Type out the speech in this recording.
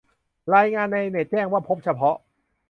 รายงานในเน็ตแจ้งว่าพบเฉพาะ